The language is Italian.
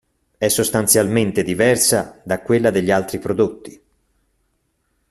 È sostanzialmente diversa da quella degli altri prodotti.